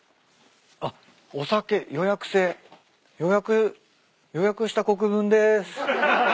あっお酒「予約制」予約予約した国分です。